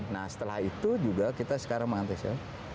nah setelah itu juga kita sekarang mengantus ya